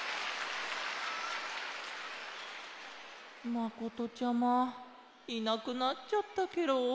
まことちゃまいなくなっちゃったケロ。